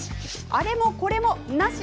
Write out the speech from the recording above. あれもこれも、なし！